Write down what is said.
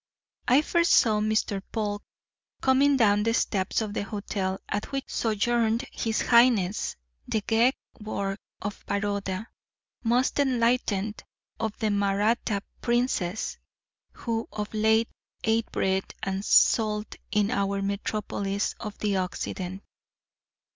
I first saw Mr. Polk coming down the steps of the hotel at which sojourned His Highness the Gaekwar of Baroda, most enlightened of the Mahratta princes, who, of late, ate bread and salt in our Metropolis of the Occident.